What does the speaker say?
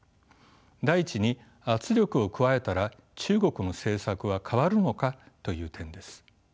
第１に圧力を加えたら中国の政策は変わるのかという点です。